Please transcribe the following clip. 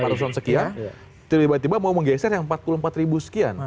tiba tiba mau menggeser yang empat puluh empat ribu sekian